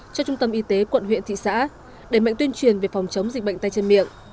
cho trung tâm y tế quận huyện thị xã đẩy mạnh tuyên truyền về phòng chống dịch bệnh tay chân miệng